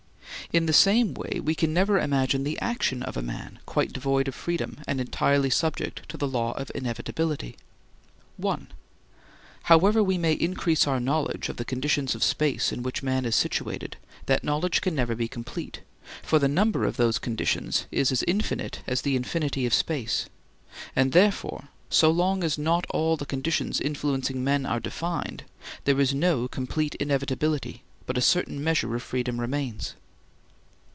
In the same way we can never imagine the action of a man quite devoid of freedom and entirely subject to the law of inevitability. (1) However we may increase our knowledge of the conditions of space in which man is situated, that knowledge can never be complete, for the number of those conditions is as infinite as the infinity of space. And therefore so long as not all the conditions influencing men are defined, there is no complete inevitability but a certain measure of freedom remains.